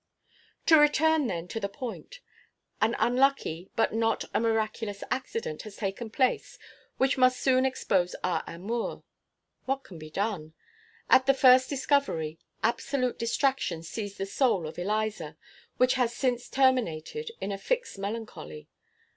To return, then, to the point. An unlucky, but not a miraculous accident has taken place which must soon expose our amour. What can be done? At the first discovery, absolute distraction seized the soul of Eliza, which has since terminated in a fixed melancholy.